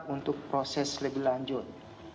untuk proses lebih lanjut